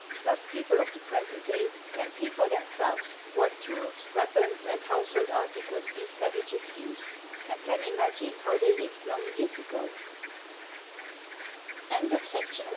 Thus people of the present day can see for themselves what tools, weapons, and household articles these savages used, and can imagine how they live